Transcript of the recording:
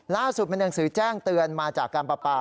ล่าสุดเป็นหนังสือแจ้งเตือนมาจากการประปา